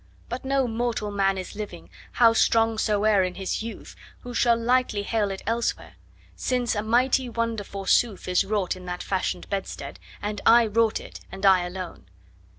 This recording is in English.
But no mortal man is living, how strong soe'er in his youth, Who shall lightly hale it elsewhere, since a mighty wonder forsooth Is wrought in that fashioned bedstead, and I wrought it, and I alone.